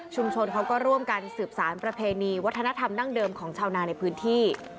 ชนเขาก็ร่วมกันสืบสารประเพณีวัฒนธรรมดั้งเดิมของชาวนาในพื้นที่